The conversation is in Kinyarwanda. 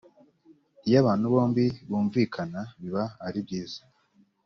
iyo abantu bombi bumvikana biba ari byiza